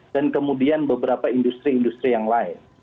dan kemudian beberapa industri industri yang lain